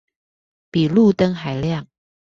比路燈還亮